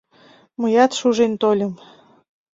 Мыят шужен тольым.